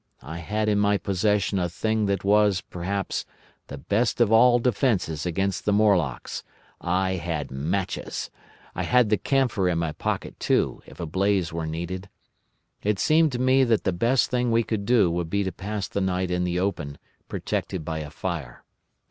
I had in my possession a thing that was, perhaps, the best of all defences against the Morlocks—I had matches! I had the camphor in my pocket, too, if a blaze were needed. It seemed to me that the best thing we could do would be to pass the night in the open, protected by a fire.